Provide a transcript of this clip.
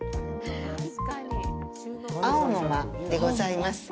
碧の間でございます。